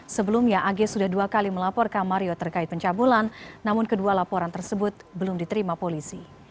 sebelumnya ag sudah dua kali melaporkan mario terkait pencabulan namun kedua laporan tersebut belum diterima polisi